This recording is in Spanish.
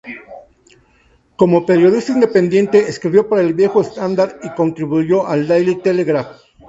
Como periodista independiente escribió para el viejo Standard y contribuyó al Daily Telegraph.